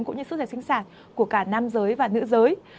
cũng như sức khỏe sinh sản của cả nam giới và nữ giới